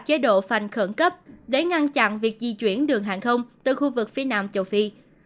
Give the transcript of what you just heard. chế độ phành khẩn cấp để ngăn chặn việc di chuyển đường hàng không từ khu vực phía nam châu phi